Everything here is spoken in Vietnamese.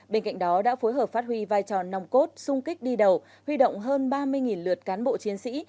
bên cạnh đó đã phối hợp phát huy vai trò nòng cốt sung kích đi đầu huy động hơn ba mươi lượt cán bộ chiến sĩ